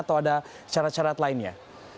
atau ada syarat syarat lainnya